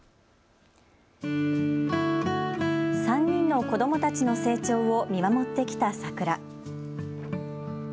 ３人の子どもたちの成長を見守ってきた桜。